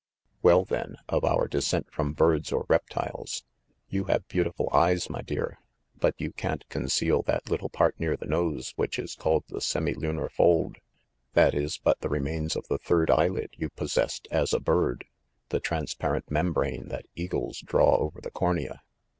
"Well, then, of our descent from birds, or reptiles. You have beautiful eyes, my dear ; but you can't con ceal that little part near the nose which is called the 'semilunar fold'. That is but the remains of the third eyelid you possessed as a bird, ‚ÄĒ the transparent mem brane that eagles draw over the cornea."